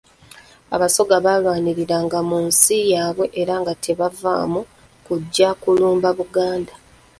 Abasoga baalwaniranga mu nsi yaabwe nga tebavaamu kujja kulumba Buganda.